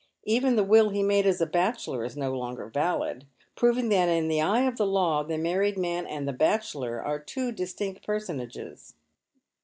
Even the will he made as a bachelor is no longer valid, proving that in the eye of the law the married man and the bachelor are two distinct personages.